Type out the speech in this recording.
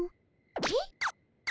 えっ？